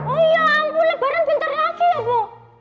oh iya ibu lebaran bentar lagi ya bu